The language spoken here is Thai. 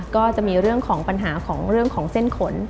ก็จะมีเรื่องของปัญหาของเรื่องของเส้นขน